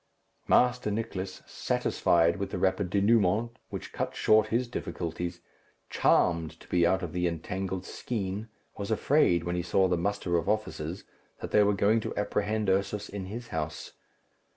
Master Nicless, satisfied with the rapid dénouement which cut short his difficulties, charmed to be out of the entangled skein, was afraid, when he saw the muster of officers, that they were going to apprehend Ursus in his house.